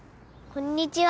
こんにちは。